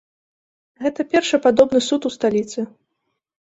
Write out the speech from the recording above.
Гэта першы падобны суд у сталіцы.